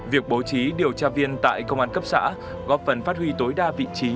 việc bố trí điều tra viên tại công an cấp xã góp phần phát huy tối đa vị trí